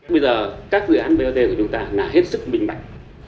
bây giờ các dự án bot của chúng ta là hết sức bình bạch